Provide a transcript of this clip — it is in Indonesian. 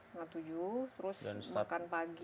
setengah tujuh terus makan pagi